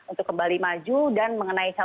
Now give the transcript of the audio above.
untuk kembali maju dan mengenai